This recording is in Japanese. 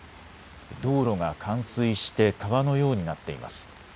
道路が冠水して川のようになっています。